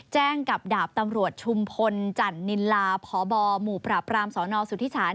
แจ้งกับดาบตำรวจชุมพลจันนินลาพบหมู่ปราบรามสนสุธิศาล